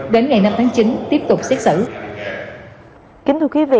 đến ngày năm tháng chín tiếp tục xét xử